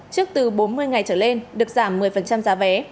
trước từ bốn mươi ngày trở lên được giảm một mươi giá vé